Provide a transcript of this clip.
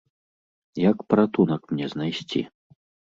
Як паратунак мне знайсці?